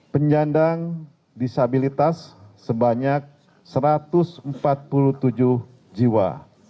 penyandang disabilitas sebanyak satu ratus empat puluh tujuh jiwa